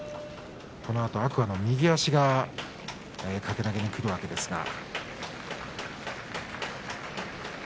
このあと天空海の足が掛け投げにくるわけですが。